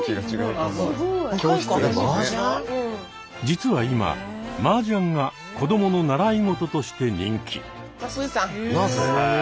実は今「マージャン」が子どもの習い事として人気。